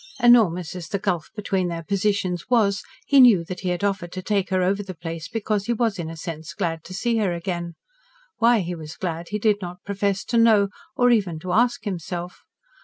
Enormous as the gulf between their positions was, he knew that he had offered to take her over the place because he was in a sense glad to see her again. Why he was glad he did not profess to know or even to ask himself.